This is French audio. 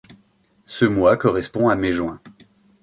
Ce mois correspond à mai-juin.